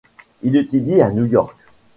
Il étudie à New York.